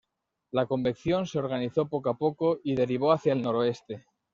La convección se organizó poco a poco, y derivó hacia el noroeste.